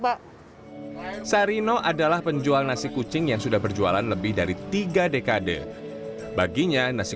pak sarino adalah penjual nasi kucing yang sudah berjualan lebih dari tiga dekade baginya nasi